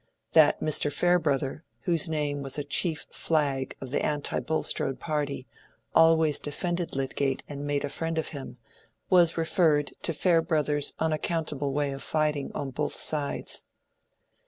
That Mr. Farebrother, whose name was a chief flag of the anti Bulstrode party, always defended Lydgate and made a friend of him, was referred to Farebrother's unaccountable way of fighting on both sides.